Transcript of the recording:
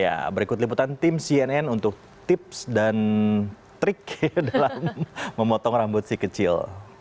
ya berikut liputan tim cnn untuk tips dan trik dalam memotong rambut si kecil